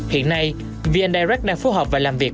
hiện nay vndirect đang phối hợp và làm việc